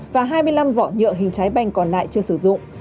và hai mươi năm vỏ nhựa hình trái banh còn lại chưa sử dụng